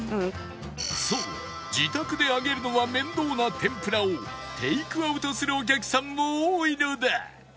そう自宅で揚げるのは面倒な天ぷらをテイクアウトするお客さんも多いのだ